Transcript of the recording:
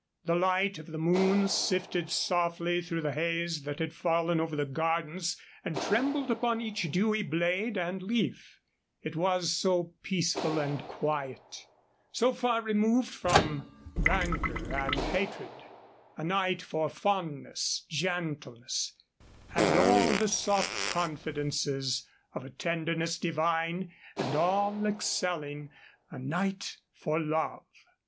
The light of the moon sifted softly through the haze that had fallen over the gardens and trembled upon each dewy blade and leaf. It was so peaceful and quiet! so far removed from rancor and hatred! a night for fondness, gentleness, and all the soft confidences of a tenderness divine and all excelling a night for love!